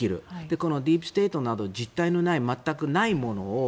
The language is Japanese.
このディープ・ステートなど実態の全くないもの